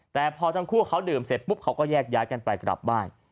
แต่พอทั้งคู่เขาดื่มเสร็จปุ๊บเขาก็แยกย้ายกันไปกลับบ้าน